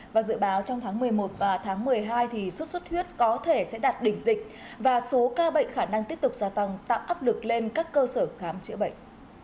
và dự báo trong tháng một mươi một và tháng một mươi hai xuất xuất huyết có thể sẽ đạt đỉnh dịch và số ca bệnh khả năng tiếp tục gia tăng tạo áp lực lên các cơ sở khám chữa bệnh